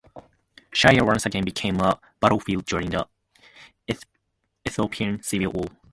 Shire once again became a battlefield during the Ethiopian Civil War.